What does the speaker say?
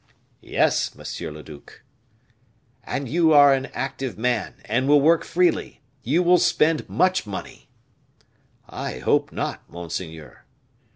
"Yes, monsieur le duc." "And you are an active man, and will work freely, you will spend much money." "I hope not, monseigneur."